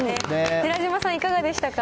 寺島さん、いかがでしたか？